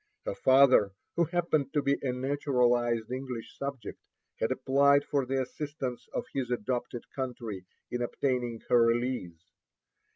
Her father, who happened to be a naturalized English subject, had applied for the assistance of his adopted country in obtaining her release.